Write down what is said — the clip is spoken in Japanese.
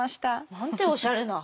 なんておしゃれな。